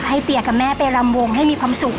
เปียกับแม่ไปรำวงให้มีความสุข